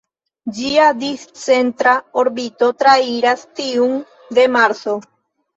Ĝia discentra orbito trairas tiun de Marso.